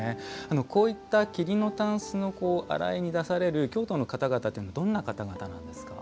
こういった桐のたんすの洗いに出される京都の方々というのはどんな方々なんですか。